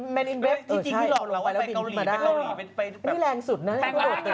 แมนอินเวฟเออใช่ต้องลงไปแล้วบินมาได้แบบทำไมแปลกอยู่อยู่อย่างนี้เหรอ